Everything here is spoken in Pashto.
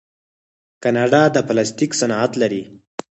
کاناډا د پلاستیک صنعت لري.